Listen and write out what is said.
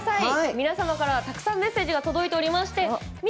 皆さんからたくさんメッセージが届いています。